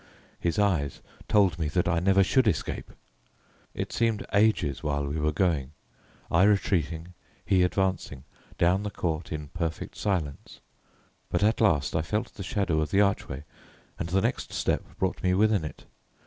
His eyes told me that I never should escape. It seemed ages while we were going, I retreating, he advancing, down the court in perfect silence; but at last I felt the shadow of the archway, and the next step brought me within it.